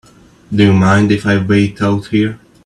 Do you mind if I wait out here?